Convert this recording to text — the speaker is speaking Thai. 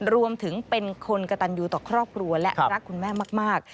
รวมถึงเป็นคนกระตันยูต่อครอบครัวและรักคุณแม่มาก